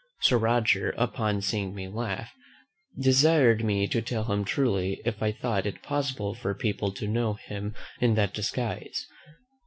Sir Roger, upon seeing me laugh, desired me to tell him truly if I thought it possible for people to know him in that disguise.